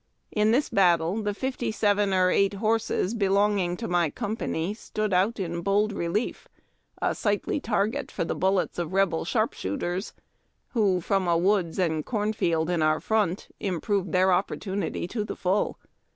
In this battle the fifty seven or eight horses belonging to ni}^ company stood out in bold relief, a sightly target for the bullets of Rebel sharpshooters, who, from a woods and corn field in our front, improved their opportunity to the full.